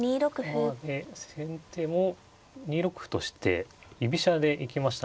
ああ先手も２六歩として居飛車で行きましたね。